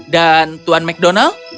dan tuan mcdonald